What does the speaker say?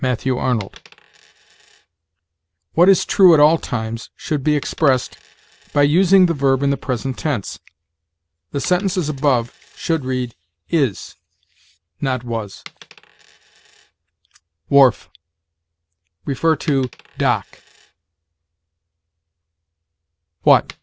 Matthew Arnold. What is true at all times should be expressed by using the verb in the present tense. The sentences above should read is, not was. WHARF. See DOCK. WHAT.